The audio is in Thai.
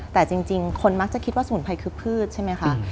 แต่จริงคนมักจะคิดว่าสมุนไพรคือพืชใช่ไหมคะ